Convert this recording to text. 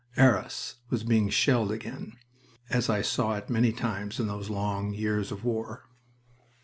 Arras was being shelled again, as I saw it many times in those long years of war.